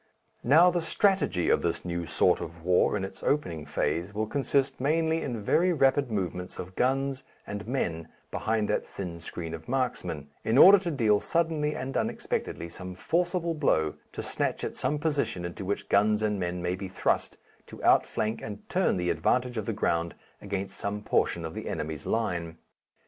Now the strategy of this new sort of war in its opening phase will consist mainly in very rapid movements of guns and men behind that thin screen of marksmen, in order to deal suddenly and unexpectedly some forcible blow, to snatch at some position into which guns and men may be thrust to outflank and turn the advantage of the ground against some portion of the enemy's line.